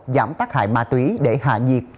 giảm bắt hại ma túy để hạ nhiệt